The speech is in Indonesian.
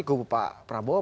di kubu pak prabowo